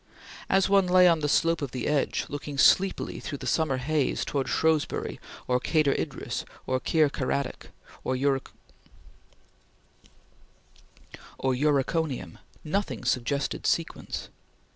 As one lay on the slope of the Edge, looking sleepily through the summer haze towards Shrewsbury or Cader Idris or Caer Caradoc or Uriconium, nothing suggested sequence.